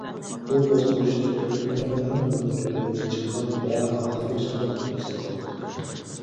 بۇ باسقۇچ تەپەككۇرنىڭ ئەڭ يۇقىرى پەللىگە چىققان ۋە ئاخىرلاشقان ۋاقتى ھېسابلىنىدۇ.